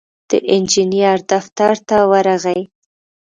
د انجينر دفتر ته ورغی.